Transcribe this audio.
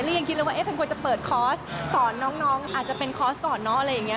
ยังคิดเลยว่าเป็นคนจะเปิดคอร์สสอนน้องอาจจะเป็นคอร์สก่อนเนอะอะไรอย่างนี้